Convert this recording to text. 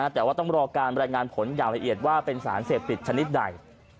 แต่ว่าต้องรอการบรรยายงานผลอย่างละเอียดว่าเป็นสารเสพติดชนิดใด